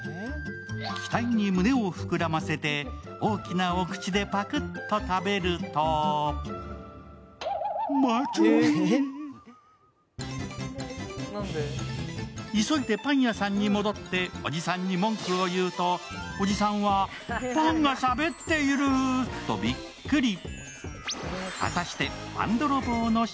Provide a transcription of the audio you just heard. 期待に胸を膨らませて大きなお口でパクッと食べると急いでパン屋さんに戻っておじさんに文句を言うと、おじさんは、パンがしゃべっているーとビックリ。